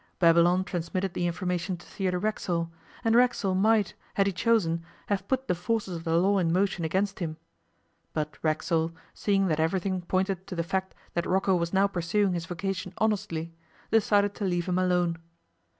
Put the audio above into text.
Babylon transmitted the information to Theodore Racksole, and Racksole might, had he chosen, have put the forces of the law in motion against him. But Racksole, seeing that everything pointed to the fact that Rocco was now pursuing his vocation honestly, decided to leave him alone.